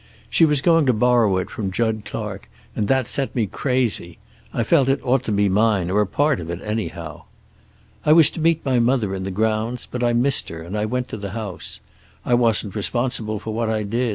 She was going to borrow it from Jud Clark, and that set me crazy. I felt it ought to be mine, or a part of it anyhow. "I was to meet my mother in the grounds, but I missed her, and I went to the house. I wasn't responsible for what I did.